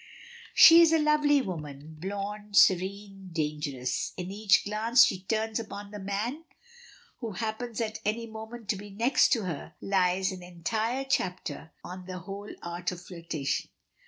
She is a lovely woman, blonde, serene, dangerous! In each glance she turns upon the man who happens at any moment to be next to her, lies an entire chapter on the "Whole Art of Flirtation."